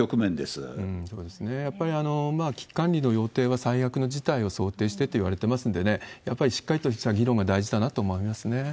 やっぱり危機管理の要諦は最悪の事態を想定してといわれてますので、やっぱりしっかりとした議論が大事だなと思いますね。